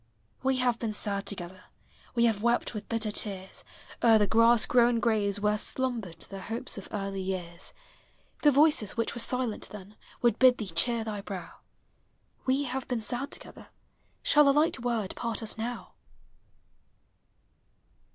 We have been sad together ; We have wept with bitter tears O'er the grass grown graves where slumbered The hopes of early years. The voices which were silent then Would bid thee cheer thy brow ; We have been sad together. Shall a light word part us now?